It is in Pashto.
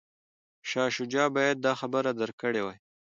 شاه شجاع باید دا خبره درک کړې وای.